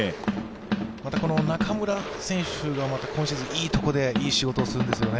中村選手が今シーズンいいところでいい仕事をするんですよね。